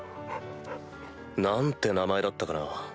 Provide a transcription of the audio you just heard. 何て名前だったかな。